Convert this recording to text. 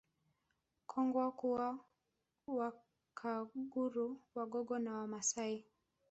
Kongwa kuna Wakaguru Wagogo na Wamasai